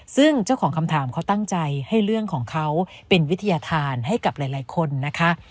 ซึ่งเจ้าของคำถามเขาตั้งใจให้เรื่องของเขาเป็นวิทยาธารให้กับหลายคนนะคะ